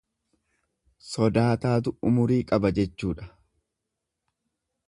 Sodaataatu umurii qaba jechuudha.